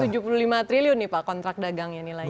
tujuh puluh lima triliun nih pak kontrak dagangnya nilainya